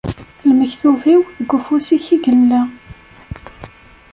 Lmektub-iw deg ufus-ik i yella.